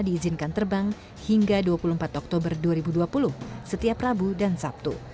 diizinkan terbang hingga dua puluh empat oktober dua ribu dua puluh setiap rabu dan sabtu